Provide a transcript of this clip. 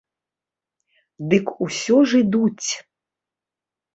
Дык усе ж ідуць.